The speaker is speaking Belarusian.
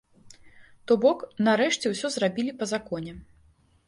То бок, нарэшце ўсё зрабілі па законе.